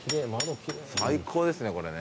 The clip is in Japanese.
最高ですねこれね。